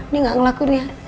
dia gak ngelakuinnya